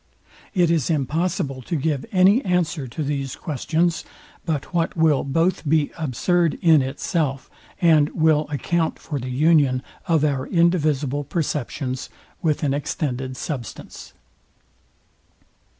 It is impossible to give any answer to these questions, but what will both be absurd in itself, and will account for the union of our indivisible perceptions with an extended substance.